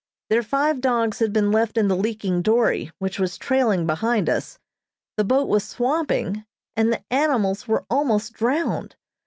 Their five dogs had been left in the leaking dory, which was trailing behind us, the boat was swamping, and the animals were almost drowned.